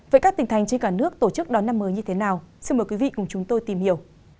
với các tỉnh thành trên cả nước tổ chức đón năm mới như thế nào xin mời quý vị cùng chúng tôi tìm hiểu